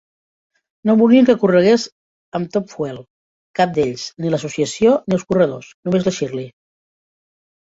No volien que corregués amb Top Fuel, cap d'ells, ni l'associació, ni els corredors... només la Shirley